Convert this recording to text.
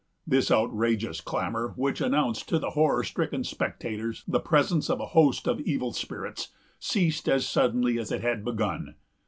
This outrageous clamor, which announced to the horror stricken spectators the presence of a host of evil spirits, ceased as suddenly as it had begun.